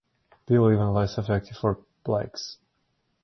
Bill even less effective for blacks.